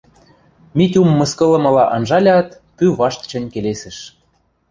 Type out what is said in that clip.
Митюм мыскылымыла анжалят, пӱ вашт чӹнь келесӹш: